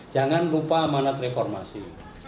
jangan lupa amanat reformasi